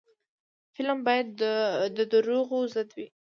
فلم باید د دروغو ضد وي